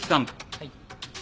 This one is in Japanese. はい。